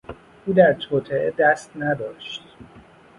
او در توطئه دست نداشت.